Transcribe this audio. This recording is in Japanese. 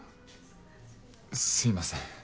すいません。